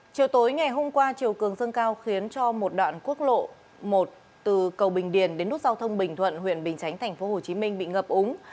chiều tối ngày hôm qua chiều cường dâng cao khiến cho một đoạn quốc lộ một từ cầu bình điền đến nút giao thông bình thuận huyện bình chánh tp hcm bị ngập úng